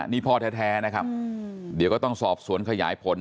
นี่พ่อแท้นะครับเดี๋ยวก็ต้องสอบสวนขยายผล